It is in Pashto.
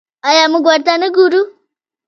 آیا موږ ورته نه ګورو؟